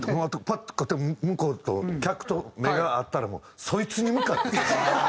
パッと向こうと客と目が合ったらもうそいつに向かって。